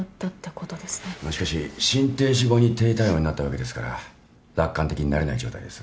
しかし心停止後に低体温になったわけですから楽観的になれない状態です。